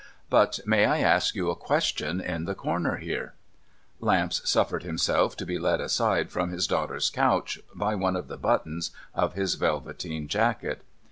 But may I ask you a question in the corner here ?' Lamps suffered himself to be led aside from his daughter's couch by one of the buttons of his velveteen jacket.